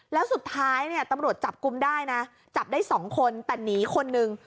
แล้วสุดท้ายเนี่ยตำรวจจับกลุ่มได้นะจับได้๒คนแต่หนีคนนึง